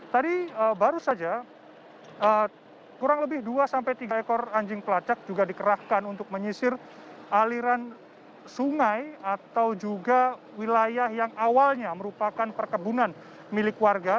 tadi baru saja kurang lebih dua tiga ekor anjing pelacak juga dikerahkan untuk menyisir aliran sungai atau juga wilayah yang awalnya merupakan perkebunan milik warga